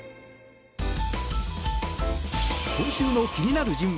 今週の気になる人物